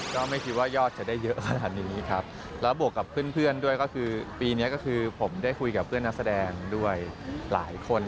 ก็ไม่คิดว่ายอดจะได้เยอะขนาดนี้ครับแล้วบวกกับเพื่อนเพื่อนด้วยก็คือปีนี้ก็คือผมได้คุยกับเพื่อนนักแสดงด้วยหลายคน